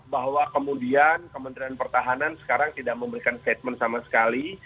bahwa kemudian kementerian pertahanan sekarang tidak memberikan statement sama sekali